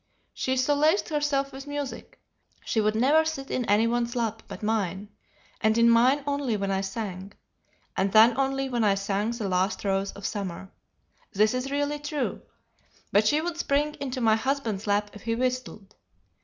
She solaced herself with music. She would never sit in any one's lap but mine, and in mine only when I sang; and then only when I sang 'The Last Rose of Summer.' This is really true. But she would spring into my husband's lap if he whistled.